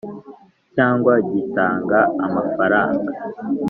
cyangwa gitanga amafaranga